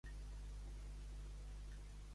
Jugar més que Peladilla.